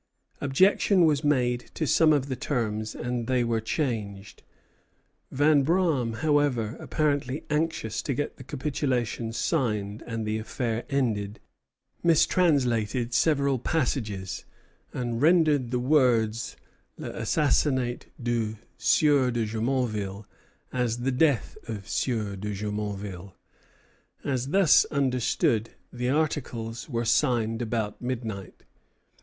Objection was made to some of the terms, and they were changed. Vanbraam, however, apparently anxious to get the capitulation signed and the affair ended, mistranslated several passages, and rendered the words l'assassinat du Sieur de Jumonville as the death of the Sieur de Jumonville. As thus understood, the articles were signed about midnight.